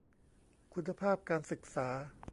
คุณภาพการศึกษา